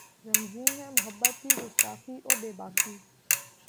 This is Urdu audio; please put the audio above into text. رمزیں ہیں محبت کی گستاخی و بیباکی